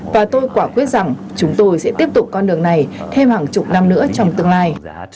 và tôi quả quyết rằng chúng tôi sẽ tiếp tục con đường này thêm hàng chục năm nữa trong tương lai